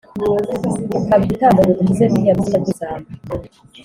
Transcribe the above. Ukaba igitambo ngo udukize biriya bisimba by'ibisambo